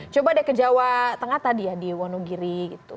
coba deh ke jawa tengah tadi ya di wonogiri gitu